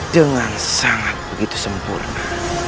dengan sangat begitu sempurna